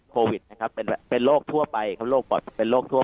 โควิดนะครับเป็นโรคทั่วไปเขาโรคปอดเป็นโรคทั่ว